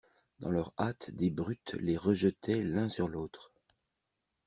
Dans leur hâte, des brutes les rejetaient l'un sur l'autre.